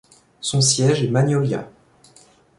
Son siège est Magnolia.